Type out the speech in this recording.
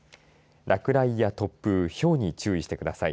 落雷や突風ひょうに注意してください。